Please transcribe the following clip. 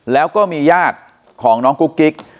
แล้วก็มีญาติของน้องกุ๊กกิ๊ก